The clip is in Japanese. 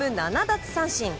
７奪三振。